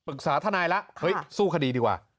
ทนายแล้วเฮ้ยสู้คดีดีกว่า